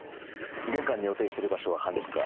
玄関に予定してる場所は半地下。